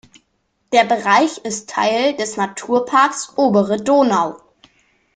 Der Bereich ist Teil des Naturparks Obere Donau.